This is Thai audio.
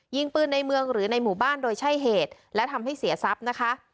ยิงปืนในเมืองหรือในหมู่บ้านโดยใช่เหตุและทำให้เสียทรัพย์นะคะ